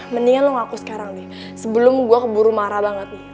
mendingan loh aku sekarang nih sebelum gue keburu marah banget nih